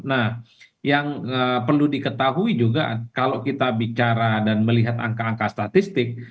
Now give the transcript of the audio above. nah yang perlu diketahui juga kalau kita bicara dan melihat angka angka statistik